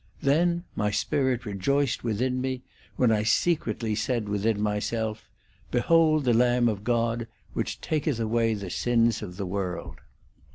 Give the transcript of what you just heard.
Then my spirit rejoiced within me, when I said secretly within myself :' Behold the Lamb of God, which taketh away the sins of the* world